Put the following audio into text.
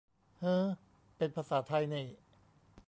"เฮ้อ" เป็นภาษาไทยนี่